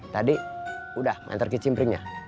tadi udah main terkicim ringnya